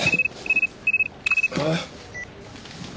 ああ！